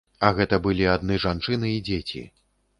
А гэта былі адны жанчыны і дзеці.